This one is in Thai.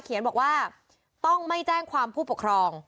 บอกว่าต้องไม่แจ้งความผู้ปกครอง